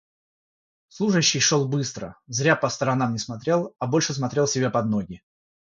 Служащий шёл быстро, зря по сторонам не смотрел, а больше смотрел себе под ноги.